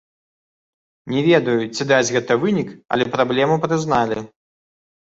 Не ведаю, ці дасць гэта вынік, але праблему прызналі.